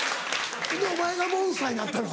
お前がモンスターになったのか。